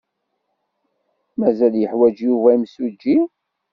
Mazal yeḥwaj Yuba imsujji?